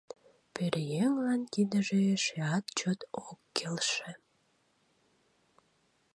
Пӧръеҥлан тидыже эшеат чот ок келше.